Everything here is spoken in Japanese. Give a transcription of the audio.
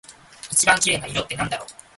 一番綺麗な色ってなんだろう？